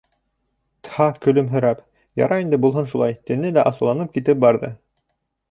Тһа көлөмһөрәп: «Ярай инде, булһын шулай», — тине лә асыуланып китеп барҙы.